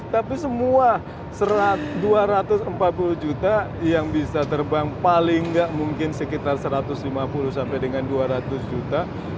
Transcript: tapi semua dua ratus empat puluh juta yang bisa terbang paling nggak mungkin sekitar satu ratus lima puluh sampai dengan dua ratus juta